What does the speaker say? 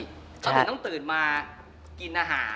ตอนตื่นต้องตื่นมากินอาหาร